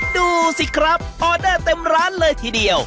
ดูสิครับออเดอร์เต็มร้านเลยทีเดียว